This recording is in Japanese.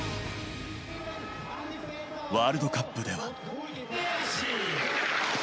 ワールドカップでは。